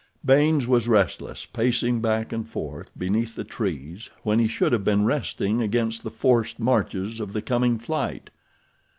Baynes was restless, pacing back and forth beneath the trees when he should have been resting against the forced marches of the coming flight.